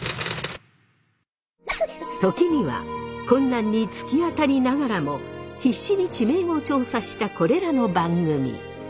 時には困難に突き当たりながらも必死に地名を調査したこれらの番組。